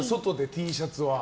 Ｔシャツは。